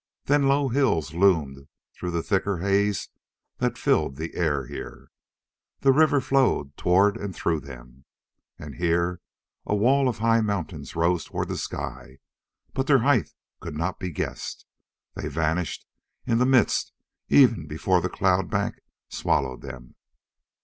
Then low hills loomed through the thicker haze that filled the air here. The river flowed toward and through them. And here a wall of high mountains rose toward the sky, but their height could not be guessed. They vanished in the mist even before the cloud bank swallowed them.